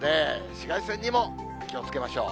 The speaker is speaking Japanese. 紫外線にも気をつけましょう。